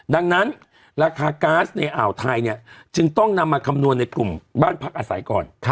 ดังนั้นราคาก๊าซในอ่าวไทยเนี่ยจึงต้องนำมาคำนวณในกลุ่มบ้านพักอาศัยก่อน